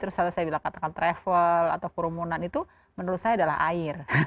terus saya bilang katakan travel atau kerumunan itu menurut saya adalah air